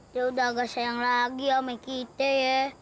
ya udah agak sayang lagi sama kita ya